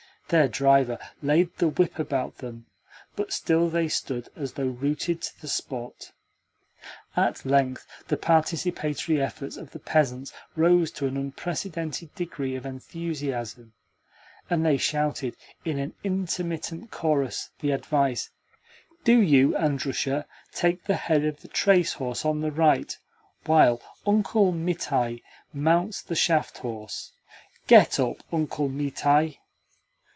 Their driver laid the whip about them, but still they stood as though rooted to the spot. At length the participatory efforts of the peasants rose to an unprecedented degree of enthusiasm, and they shouted in an intermittent chorus the advice, "Do you, Andrusha, take the head of the trace horse on the right, while Uncle Mitai mounts the shaft horse. Get up, Uncle Mitai."